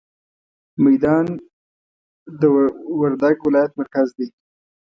ميدان د وردګ ولايت مرکز دی.